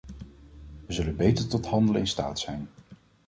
We zullen beter tot handelen in staat zijn.